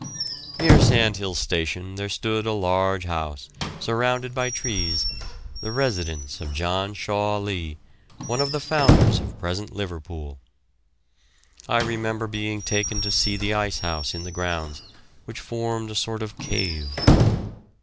Near Sandhills Station there stood a large house, surrounded by trees, the residence of John Shaw Leigh, one of the founders of the present Liverpool. I remember being taken to see the icehouse in the grounds, which formed a sort of cave.